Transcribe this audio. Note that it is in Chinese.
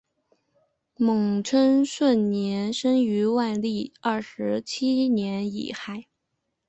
孟称舜生于万历二十七年己亥。